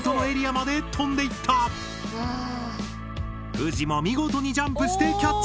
フジも見事にジャンプしてキャッチ！